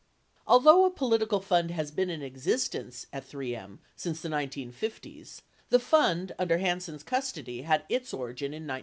Although a political fund has been in existence at 3M since the 1950's, the fund under Han sen's custody had its origin in 1964.